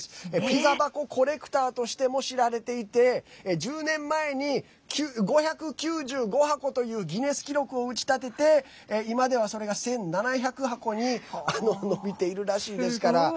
ピザ箱コレクターとしても知られていて１０年前に５９５箱というギネス記録を打ち立てて今では、それが１７００箱に伸びているらしいですから。